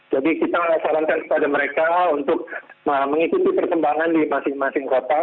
jadi kita sarankan kepada mereka untuk mengikuti perkembangan di masing masing kota